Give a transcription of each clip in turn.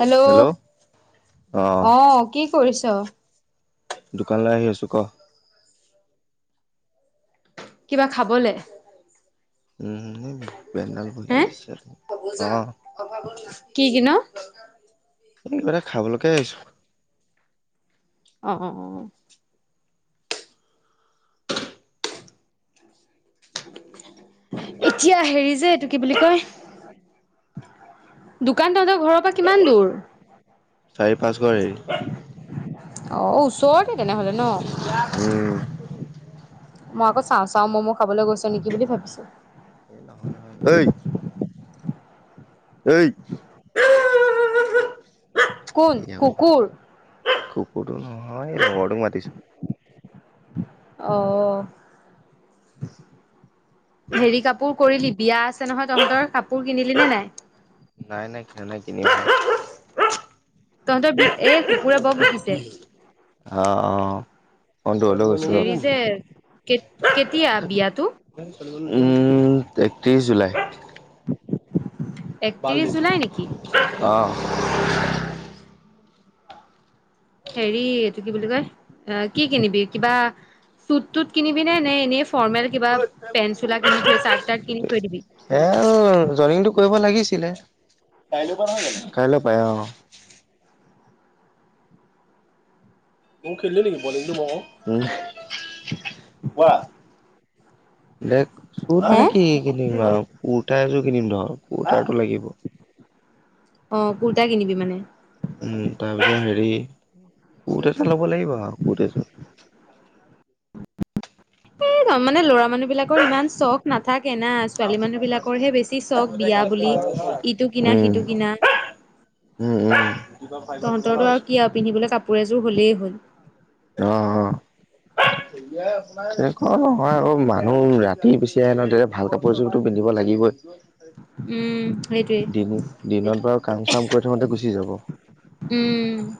Hello অ কি কৰিছ দোকানলে আহি আছো ক কিবা খাবলে উম ভূপেনডাল বহি হে আছে অ কি কিন এইকিবা এটা খাবলেকে আহিছো অ অ অ অ এতিয়া হেৰি যে এইটো কি বুলি কয় দোকান তহতৰ ঘৰৰ পৰা কিমান দূৰ চাৰি পাঁচ ঘৰ হেৰি অ ওচৰতে তেনেহলে ন উম মই আকৌ চাওঁ চাওঁ ম'ম' খাবলৈ গৈছো নেকি বুলি ভাবিছো। এ নহয় নহয় ঐ- ঐ- কোন কুকুৰ কুকুৰটো নহয় এই লগৰটো মাতিছে অ হেৰি কাপোৰ কৰিলি বিয়া আছে নহয় তহঁতৰ কাপোৰ কিনিলি নে নাই নাই নাই খায় নে কিনে- তহঁতৰ বি, এ কুকুৰে বৰ ভুকিছে। অঁ অঁ [unintelligible] হেৰি যে কে কেতিয়া বিয়াতো। উম এত্ৰিশ জুলাই। একত্ৰিশ জুলাই নেকি? [unintelligible] হেৰি এইটো কি বুলি কয় এ কি কিনিবি কিবা- চুট টোত কিনিবি নে নে এনেই ফৰ্মেল কিবা পেন্ট চোলা কিনি থৈ চাৰ্ট তাৰ্ট কিনি থৈ দিবি। খেল জয়নিং টো কৰিব লাগিছিলে কাইলৈ পা নহয় জানোঁ কাইলৈ পা অ মইও খেলিম নেকি বলিং টো, কোৱা- দে চুত মানে কি কিনিম আৰু কুৰ্তা এযোৰ কিনিম ধৰ কুৰ্তাটো লাগিব। অঁ কুৰ্তা কিনিবি মানে- উম তাৰপিছত হেৰি কুট এটা ল'ব লাগিব আৰু কুট এযোৰ। এইদম মানে ল'ৰা মানুহ বিলাকৰ ইমান চখ- নাথাকে না ছোৱালী মানুহ বিলাকৰহে বেছি চখ বিয়া বুলি ইটো কিনা উম সিটো কিনা। [unintelligible] তহঁতৰটো আৰু কি আৰু পিন্ধিবলৈ কাপোৰ এযোৰ হলেই হল। অ অ তেনেকুৱা নহয় আৰু মানুহ ৰাতি পুচি আহে ন ভাল ক- উপযোগটো পিন্ধিব লাগিবই। উম সেইটোৱে দিন দিনত বাৰু কাম চাম কৰি থাকোঁতে গুচি যাব। উম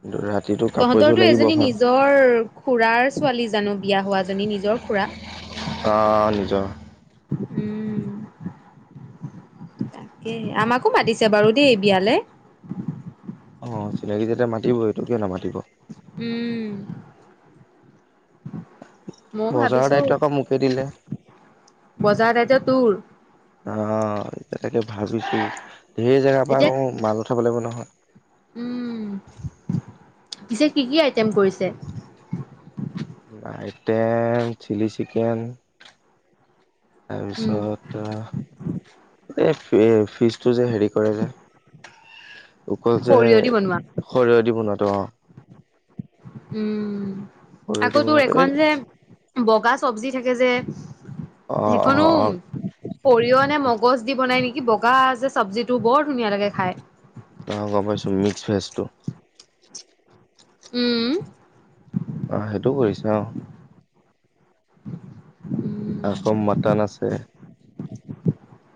কিন্ত ৰাতিটো- কাপোৰ এযোৰ তহঁতৰটো লাগিব এজনী ভাল নিজৰ খুুৰাৰ ছোৱালী জানো বিয়া হোৱা জনী নিজৰ খুৰা। অঁ নিজৰ- উম তাকে, আমাকো মাতিছে বাৰু দেই বিয়ালে। অ চিনাকি যেতিয়াটো মাতিবই কিয় নামাতিব। উম মই বজাৰৰ ভাবিছো দায়িত্ব আকৌ মোকে দিলে বজাৰ দায়িত্ব তোৰ। অঁ তাকে ভাবিছো ঢেৰ জেগাৰ পৰা এতিয়া আক মাল উঠাব লাগিব নহয়। উম, পিছে কি কি আইটেম কৰিছে। [unintelligible] আইটেম চিলি চিকেন- উম তাৰপিছত ত' এই ফিজটো যে হেৰি কৰে যে, অকল যে- সৰিয়হ দি বনোৱা সৰিয়হ দি বনাতো অঁ। উম সৰিয়হ দি আকৌ তোৰ বনোৱাটো এই এখন যে বগা চব্জি থাকে যে। অ অ সেইখনো অ সৰিয় নে মগজ দি বনাই নেকি? কি বগা যে চব্জিটো বৰ ধুনীয়া লাগে খায়। অ গম পাইছোঁ মিক্স ভেজটো। উম'। অ, সেইটো কৰিছে অহ। উম' [unintelligible] আকৌ মাটন আছে।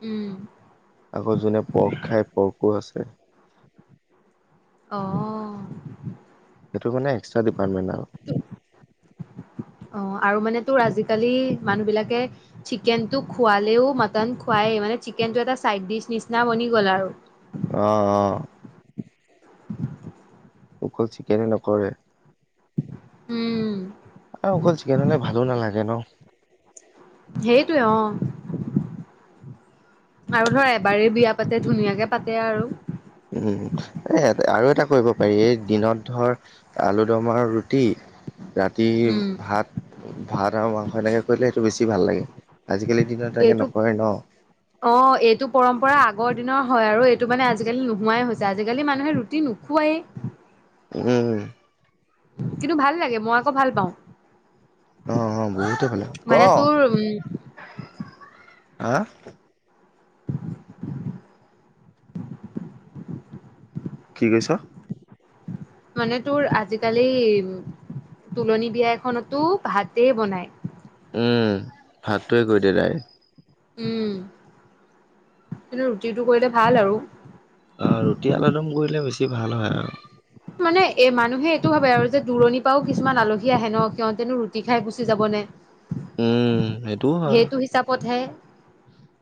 উম আকৌ যোনে পৰ্ক খাই পৰ্কো আছে। অঁ। সেইটো মানে এক্সট্ৰা ডিপাৰ্টমেণ্ট আও। অ আৰু মানে তোৰ আজিকালি মানুহ বিলাকে চিকেনটো খুৱালেও মটন খুৱাই, মানে চিকেনটো এটা চাইড ডিচ নিচিনা বনি গ'ল আৰু। অঁ, অঁ। অকল চিকেনে নকৰে। উম আৰু অকল চিকেন হ'লে, ভালো নালাগে নহ। সেইটোয়ে অ। আৰু ধৰ এবাৰেই বিয়া পাতে, ধুনীয়াকে পাতে আৰু। উম' এ আৰু এটা কৰিব পাৰি, এই দিনত ধৰ আলু দম আৰু ৰুটি, ৰাতি উম ভাত ভাত আৰু মাংস এনেকে কৰিলে সেইটো বেছি ভাল লাগে। আজিকালিৰ দিনত তেনেকে এইটো নকৰে ন। অ, এইটো পৰম্পৰা আগৰ দিনৰ হয় আৰু এইটো মানে আজিকালি নোহোৱাই হৈছে। আজিকালি মানুহে ৰুটি নোখোৱায়ে। উম'। কিন্তু ভাল লাগে, মই আকৌ ভাল পাওঁ। অ-অ, বহুতে ভালে, ক মানে তোৰ উম হা কি কৈছ? মানে তোৰ আজিকালি, তুলনি বিয়া এখনতো ভাতে বনাই। উম, ভাতটোৱে কৰি দিয়ে ডাইৰেক্ট। উম, এনেও ৰুটি টো কৰিলে ভাল আৰু। অ, ৰুটি, আলুদম কৰিলে বেছি ভাল হয় আৰু। মানে, এ মানুহে এইটো ভাবে আৰু যে, দূৰণিৰ পৰাওঁ কিছুমান আলহী আহে ন, সিহঁতেনো ৰুটি খাই গুচি যাব নে? উম, সেইটোও হয় সেইটো হিচাপতহে,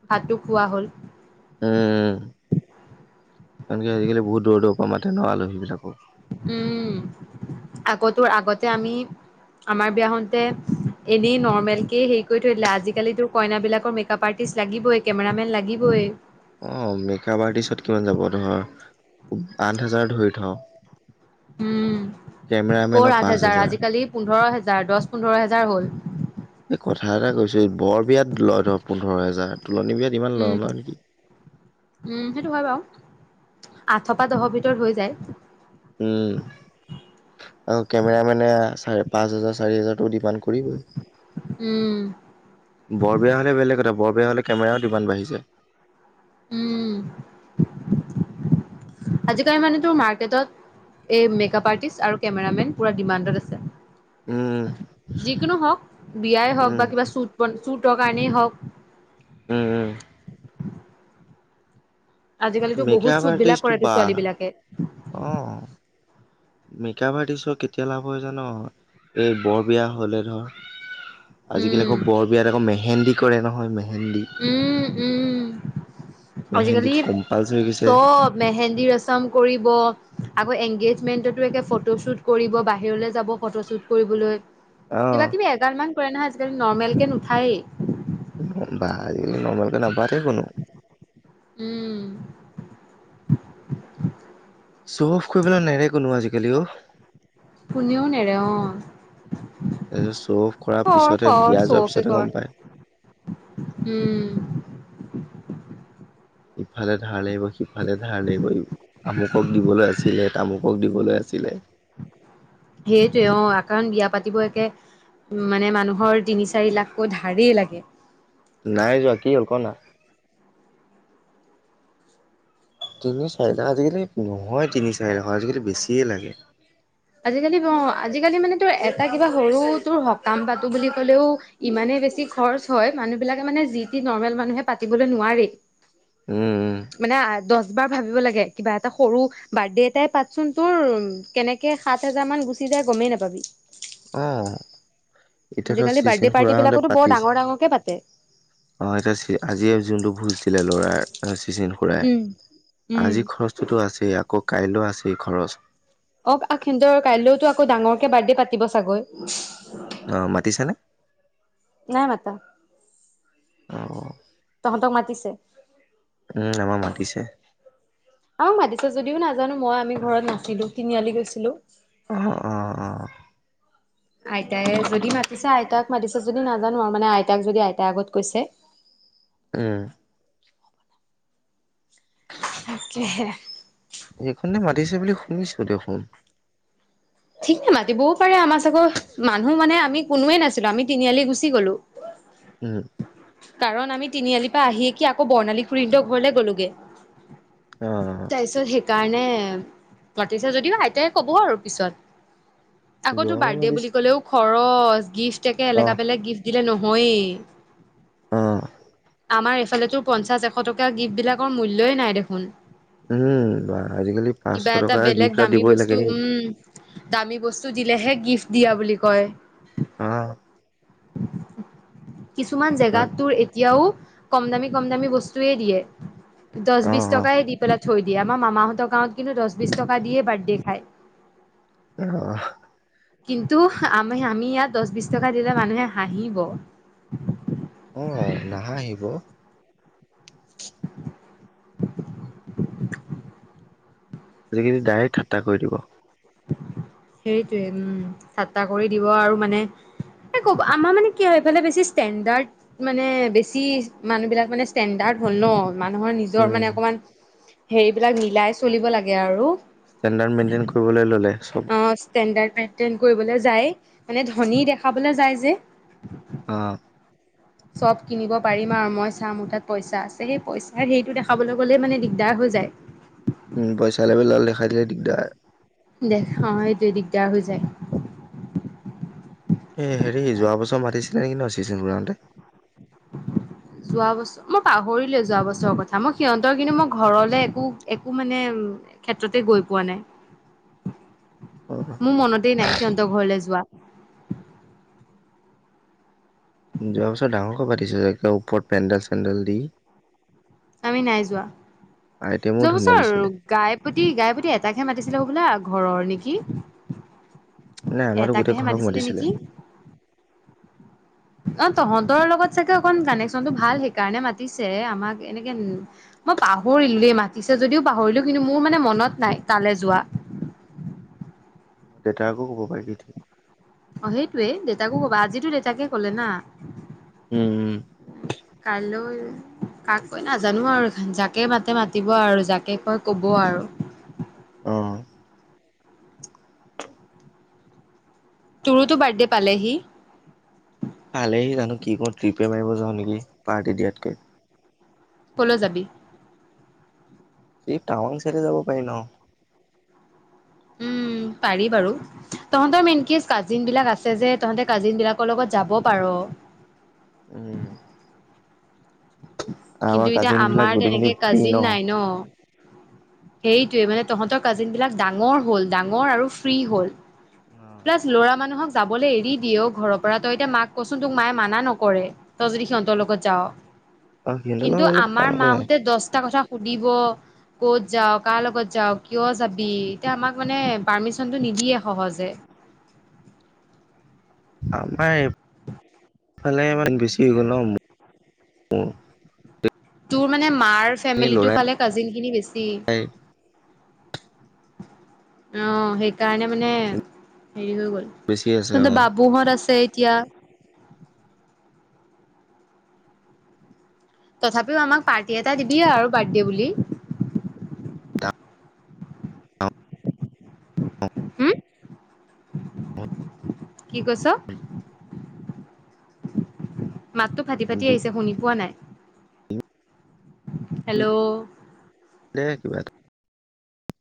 ভাতটো খোৱা হ'ল। উম, কাৰণ কেলে, আজিকালি বহুত দূৰ-দূৰৰ পৰা মাতে ন আলহী বিলাকো। উম, আগতো, আগতে আমি, আমাৰ বিয়া হওঁতে এনেই নৰ্মেল কে হেৰি কৰি থৈ দিলে। আজিকালি তো কইনা বিলাকৰ মেকআপ আৰ্টিষ্ট লাগিবই, কেমেৰামেন লাগিবই। অ, মেকআপ আৰ্টিষ্টত কিমান যাব, ধৰ আঠ হাজাৰ ধৰি থওঁ। উম, কেমেৰামেনৰ কৰৰ আঠ পাঁচ হাজাৰ আজিকালি পোন্ধৰ হাজাৰ, দহ পোন্ধৰ হাজাৰ হ'ল। এই কথা এটা কৈছো, বৰ বিয়াত লয়, ধৰ পোন্ধৰ হেজাৰ, তোলনি বিয়াত ইমান উম'। নলয় নেকি? উম, সেইটো হয় বাৰু, আঠৰ পৰা দহৰ ভিতৰত হৈ যায়। উম'। আৰু কেমেৰামেনে চাৰে পাঁচ হাজাৰ, চাৰি হাজাৰটো ডিমাণ্ড কৰিবই। উম' বৰ বিয়া হ'লে বেলেগ কথা, বৰ বিয়া হ'লে কেমেৰাও ডিমাণ্ড বাঢ়িছে। উম'। [inaudible] আজিকালি মানে তোৰ মাৰ্কেটত এই মেকআপ আৰ্টিষ্ট আৰু কেমেৰামেন পুৰা ডিমাণ্ডত আছে। উম যিকোনো হওক, বিয়াই হওক উম বা কিবা শ্বুট, শ্বুটৰ কাৰণেই হওঁক। উম-উম। আজিকালিতো বহুত শ্বুট বিলাক কৰেতো ছোৱালী বিলাকে। অঁ মেকআপ আৰ্টিষ্টৰ কেতিয়া লাভ হয় জান। এই বৰবিয়া হ'লে ধৰ। আজিকালি উম আকৌ বৰ বিয়াত আকৌ মেহেন্দী কৰে নহয় মেহেন্দী। উম উম আজিকালি মেহেন্দীত কম্পালচৰি গৈছে চব। মেহেন্দী ৰচম কৰিব, আকৌ, এনগেজমেন্টতো একে ফটো শ্বুট কৰিব, বাহিৰলৈ যাব ফটো শ্বুট কৰিবলৈ। অ কিবা-কিবি এগাল মান কৰে নহয় আজিকালি নৰ্মেল কে নুঠায়েই। কিন্তু বা আজিকালি নৰ্মেলকে নাপাতেই কোনো। উম' চ' অফ কৰিবলে নেৰে কোনো, আজিকালি অ। কোনেওঁ নেৰে অ। এজেছ চ' অফ কৰা কৰ পিছতহে, কৰ বিয়া যোৱাৰ চবকে পিছতহে কৰ গম পায়। উম। ইফালে ধাৰ লাগিব সিফালে ধাৰ লাগিব। আমুকক দিবলৈ আছিলে তামুকক দিবলৈ আছিলে। সেইটোৱে অ কাৰণ বিয়া পাতিব একে উ মানে মানুহৰ তিনি চাৰি লাখকৈ ধাৰেই লাগে। নাই যোৱা কি হ'ল ক না। তিনি চাৰি লাখ আজিকালি নহয় তিনি চাৰি লাখত আজিকালি বেছিয়ে লাগে। আজিকালি আজিকালি মানে তোৰ এটা কিবা সৰু তোৰ সকাম পাতো বুলি কলেও ইমানে বেছি খৰচ হয় মানুহ বিলাকে মানে যি টি নৰ্মেল মানুহে পাতিবলৈ নোৱাৰি উম উম মানে দহ বাৰ ভাবিব লাগে কিবা এটা সৰু বাৰ্থডে এটাই পাতচোন তোৰ কেনে কে সাত হাজাৰমান গুচি যাই গমেই নাপাবি। আহ এতিয়া ত আজিকালি বাৰ্থডে চিচিন খুৰা পাৰ্টি হতে বিলাকতো বৰ পাতিছে ডাঙৰ ডাঙৰকে পাতে। অ এতিয়া আজি যোনটো ঘূৰিছিলে ল'ৰাৰ চিচন খুৰাই উম, উম, আজি খৰচটোতো আছেই আকৌ কাইলৈ আছেই খৰচ অ আহ খিঞ্জৰ কাইলৈওতো আকৌ ডাঙৰকে বাৰ্থডে পাতিব চাগৈ অ মাতিছানে নাই মাতা অ তহঁতক মাতিছে উম আমাক মাতিছে আমাক মাতিছে যদিও নাজানো মই আমি ঘৰত নাছিলো তিনিআলি গৈছিলো অহ অহ অহ আইতাই যদি মাতিছে আইতাক মাতিছে যদি নাজানো আৰু মানে আইতাক যদি আইতাই আগত কৈছে উম তাকেহে এইখনতে মাতিছে বুলি শুনিছো দেখোন ঠিকে মাতিবও পাৰে আমাৰ চাগৈ মানুহ মানে আমি কোনোৱে নাছিলো আমি তিনিআলি গুচি গলো উম কাৰণ আমি তিনিআলিৰ পৰা আহিয়েকি আকৌ বৰ্ণালী খুুৰিহেতৰ ঘৰলে গলো গৈ অ তাৰপিছত সেইকাৰণে মাতিছে যদিও আইতাই কব আৰু পিছত আকৌ তোৰ যোৱাবাৰ বাৰ্থডে বুলি মাতিছিল ক'লেও খৰচ গিফ্ট একে অ এলেকা পেলেগ গিফ্ট দিলে নহয়েই অ আমাৰ এইফালেতো পঞ্চাশ এশ টকা গিফ্টবিলাক মূল্যই নাই দেখোন উম বা আজিকালি পাঁচশ কিবা এটা টকাৰ বেলেগ গিফ্ট এটা দামী দিবই বস্তু লাগে উম দামী বস্তু দিলেহে গিফ্ট দিয়া বুলি কয় আ কিছুমান জেগাত তোৰ এতিয়াও কম দামী কম দামী বস্তু টোয়ে দিয়ে, দহ অ অ বিশ টকা দি পেলাই থৈ দিয়ে আমাৰ মামাহঁতৰ গাঁৱত কিন্তু দহ, বিশছ টকা দিয়ে বাৰ্থডে খায়। অহ। কিন্তু আমি আমি ইয়াত দহ বিশ টকা দিলে মানুহে হাঁহিব। হয়। নাহাঁহিব [unintelligible] আজিকালি ডাইৰেক্ট ঠাট্টা কৰি দিব সেইটোৱে উম, চাটটা কৰি দিব আৰু মানে। ক'ব আমাৰ মানে কি হয় এইফালে বেছি ষ্টেণ্ডাৰ্ড- মানে বেছি মানুহ বিলাক মানে ষ্টেণ্ডাৰ্ড হ'ল ন মানুহৰ নি- নিজৰ উম মানে অকমান, হেৰিবিলাক মিলাই চলিব লাগে আৰু। ষ্টেণ্ডাৰ্ড মেইনটেইন কৰিবলৈ ল'লে চব। অ ষ্টেণ্ডাৰ্ড মেনটেইন কৰিবলৈ যায়, মানে ধনী দেখাবলৈ যায় যে। অঁ চব কিনিব পাৰিম আৰু মই চাম মোৰ তাত পইচা আছে। সেই পইচাৰ হেৰিটো দেখাবলৈ গ'লে মানে দিগদাৰ হৈ যায়। উম পইচা লেবেল দাল দেখাই দিলে দিগদাৰ। দেখ অ সেইটোয়ে দিগদাৰ হৈ যায়। এ হেৰি যোৱা বছৰ মাতিছিলে নেকি ন চিচিনকৰাওঁতে। যোৱাবছৰ। মই পাহৰিলোয়ে যোৱা বছৰৰ কথা মই সিহঁতৰ কিন্তু মোৰ ঘৰলে একো একো মানে ক্ষেত্ৰতে গৈ পোৱা নাই। [unintelligible] অ মোৰ মনতে নাই সিহঁতৰ ঘৰলৈ যোৱা। যোৱা বছৰ ডাঙৰ কৈ পাতিছিলে একদম ওপৰত পেণ্ডেল চেণ্ডেল দি। আমি নাই যোৱা, আইটেমো ধুনীয়া দিছিলে যোৱাবছৰ- গাইপতি গাইপতি এটাক হে মাতিছিলে হবলা ঘৰৰ নেকি। নাই আমাৰতো গোটেই এটাকেহে ঘৰক মাতিছিলে নেকি? অ তহঁতৰ লগত চাগে অকণ কানেকচনটো ভাল সেইকাৰণে মাতিছে আমাক এনেকে মই পাহৰিলো দেই মাতিছে যদিও পাহৰিলো কিন্তু মোৰ মানে মনত নাই তালে যোৱা। দেউতাকো ক'ব পাৰিবি। অ সেইটোৱে দেউতাকো কবা, আজিতো দেতাকে ক'লে না। উম উম। কাইলৈ। কাক কৈ নাজানো আৰু যাকে মাতে মাতিব আৰু যাকে কয় কব আৰু। অঁ তোৰোঁটো বাৰ্থডে পালেহি। পালেহি জানো কি কো ট্ৰিপে মাৰিব যাওঁ নেকি পাৰ্টি দিয়াতকৈ। কলৈ যাবি? এই টাৱাং চাইডে যাব পাৰি ন। উম পাৰি বাৰু। তহঁতৰ মেইন কি কাজিন বিলাক আছে যে তহঁতে কাজিন বিলাকৰ লগত যাব পাৰ। উম আমাৰ কিন্তু এতিয়া কাজিন বিলাক আমাৰ গোটেইখিনি তেনেকে ফ্ৰী কাজিন নাই ন। সেইটোৱে মানে তহঁতৰ কাজিন বিলাক ডাঙৰ হল ডাঙৰ আৰু ফ্ৰী হ'ল। অ প্লাছ লৰা মানুহক যাবলৈ এৰি দিয়ে অ ঘৰৰ পৰা তই এতিয়া মাক কচোন তোক মায়ে মানা নকৰে। তই যদি সিহঁতৰ লগত যাওঁ, অ সিহঁতৰ কিন্তু লগত গলে পতা আমাৰ নপৰে মাহঁতে দহটা কথা সুদিব ক'ত যাওঁ কাৰ লগত যাওঁ কিয় যাবি এতিয়া আমাক মানে পাৰ্মিচনটো নিদিয়ে সহজে। আমাৰ- ফালে ইমান বেছি হৈ গ'ল। গোটেইখিনি তোৰ মানে মাৰ ফেমিলিটোৰ লৰাই ফালে কাজিন খিনি বেছি। অ সেইকাৰণে মানে হেৰি হৈ গল বেছি আছে অ ত বাবুহঁত আছে এতিয়া- তথাপিও আমাক পাৰ্টি এটা দিবিয়ে আৰু বাৰ্থডে বুলি। হুম কি কৈছ? মাতটো ফাটি ফাটি আহিছে শুনি পোৱা নাই। হেল্ল' দে কিবা।